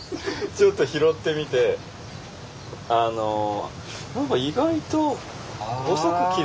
ちょっと拾ってみてあの何か意外と細く切れば。